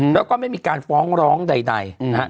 แล้วก็ไม่มีการฟ้องร้องใดนะฮะ